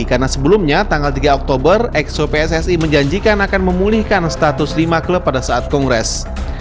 karena sebelumnya tanggal tiga oktober exo pssi menjanjikan akan memulihkan status lima klub pada saat kongres